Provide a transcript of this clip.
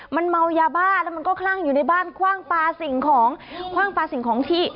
มันเมายาบ้าแล้วมันก็คลั่งอยู่ในบ้านคว่างปลาสิ่งของที่